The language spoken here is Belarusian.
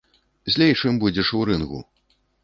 Злейшым будзеш у рынгу.